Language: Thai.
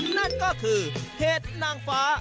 นั่นก็คือเห็ดนางฟ้า